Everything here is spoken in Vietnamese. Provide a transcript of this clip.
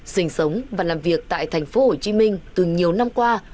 sinh sống và làm việc tại thành phố hồ chí minh từ nhiều năm qua